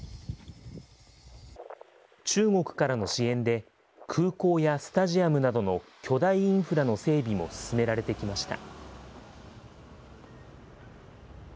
中国からの支援で、空港やスタジアムなどの巨大インフラの整備も進められてきました。